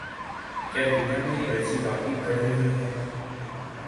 کیا دنیا میں الرجی واقعی بڑھ رہی ہے